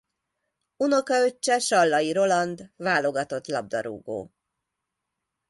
Unokaöccse Sallai Roland válogatott labdargó.